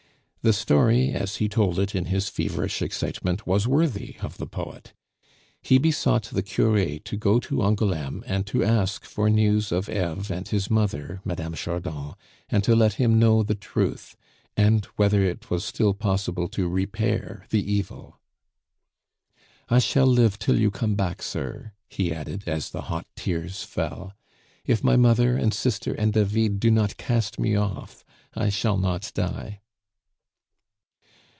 The story, as he told it in his feverish excitement, was worthy of the poet. He besought the cure to go to Angouleme and to ask for news of Eve and his mother, Mme. Chardon, and to let him know the truth, and whether it was still possible to repair the evil. "I shall live till you come back, sir," he added, as the hot tears fell. "If my mother, and sister, and David do not cast me off, I shall not die."